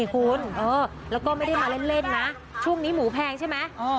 คุณแล้วก็ไม่ได้มาเล่นนะช่วงนี้หมูแพงใช่ไหม